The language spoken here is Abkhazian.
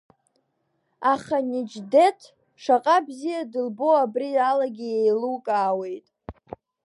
Аха Неџьдеҭ шаҟа бзиа дылбо абри алагьы иеилукаауеит.